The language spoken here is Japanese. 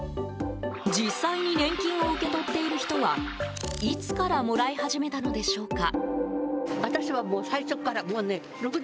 実際に年金を受け取っている人はいつからもらい始めたのでしょうか。